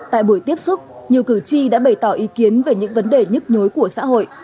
tại buổi tiếp xúc nhiều cử tri đã bày tỏ ý kiến về những vấn đề nhức nhối của xã hội